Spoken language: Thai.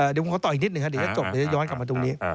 เดี๋ยวผมขอต่ออีกนิดหนึ่งเดี๋ยวจะจบย้อนกลับมาตรงนี้